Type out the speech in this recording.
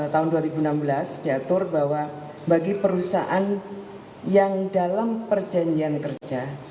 tahun dua ribu enam belas diatur bahwa bagi perusahaan yang dalam perjanjian kerja